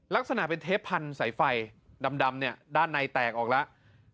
ลักษณะเป็นเทปพันธุ์สายไฟดำเนี่ยด้านในแตกออกแล้ว